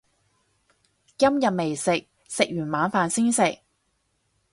今日未食，食完晚飯先食